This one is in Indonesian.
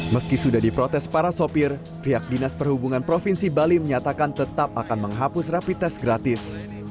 meski sudah diprotes para sopir pihak dinas perhubungan provinsi bali menyatakan tetap akan menghapus rapi tes gratis